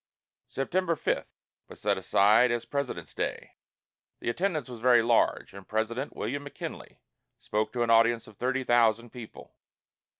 September 5 was set aside as President's Day. The attendance was very large, and President William McKinley spoke to an audience of thirty thousand people.